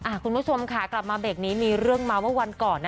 คุณผู้ชมค่ะกลับมาเบรกนี้มีเรื่องเมาส์เมื่อวันก่อน